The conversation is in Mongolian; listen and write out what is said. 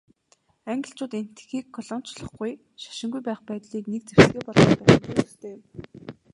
Англичууд Энэтхэгийг колоничлохгүй, шашингүй байх байдлыг нэг зэвсгээ болгож байсантай төстэй юм.